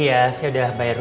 masa depan aku